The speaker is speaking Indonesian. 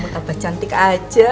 kamu tante cantik aja